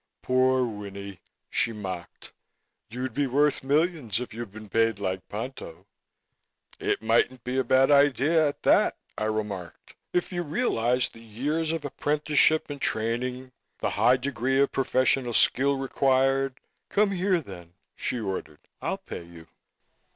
"Poor Winnie!" she mocked. "You'd be worth millions if you'd been paid, like Ponto." "It mightn't be a bad idea, at that," I remarked. "If you realize the years of apprenticeship and training, the high degree of professional skill required " "Come here, then," she ordered, "I'll pay you."